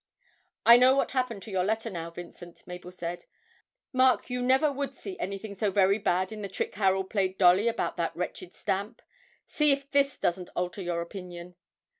'I know what happened to your letter now, Vincent,' Mabel said. 'Mark, you never would see anything so very bad in the trick Harold played Dolly about that wretched stamp see if this doesn't alter your opinion.'